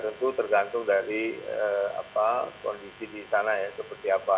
tentu tergantung dari kondisi di sana ya seperti apa